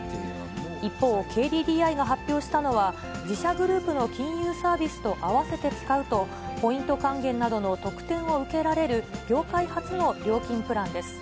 一方、ＫＤＤＩが発表したのは、自社グループの金融サービスと合わせて使うと、ポイント還元などの特典を受けられる、業界初の料金プランです。